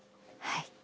「はい」？